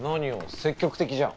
積極的じゃん。